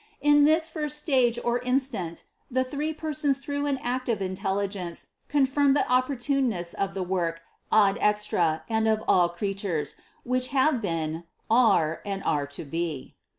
In this first stage or instant the three Persons through an act of intelligence confirmed the op portuneness of the work ad extra and of all creatures, which have been, are, and are to be.